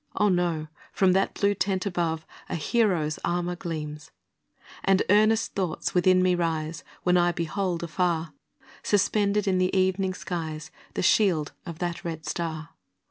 Oh, no! from that blue tent above, A hero's armour gleams. And earnest thoughts within me rise, When I behold afar, Suspended in the evening skies The shield of that red star.